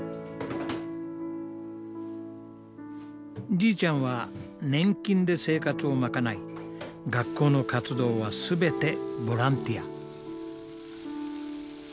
じいちゃんは年金で生活をまかない学校の活動は全てボランティア。